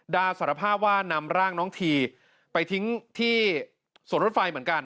สารภาพว่านำร่างน้องทีไปทิ้งที่สวนรถไฟเหมือนกัน